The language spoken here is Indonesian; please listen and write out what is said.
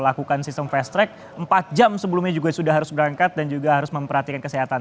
lakukan sistem fast track empat jam sebelumnya juga sudah harus berangkat dan juga harus memperhatikan kesehatan